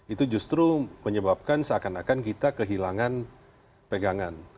itu justru menyebabkan seakan akan kita kehilangan pegangan